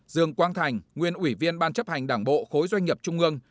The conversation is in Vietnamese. dương quang thành nguyên ủy viên ban chấp hành đảng bộ khối doanh nghiệp trung ương